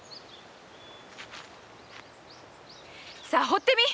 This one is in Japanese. さあほってみい！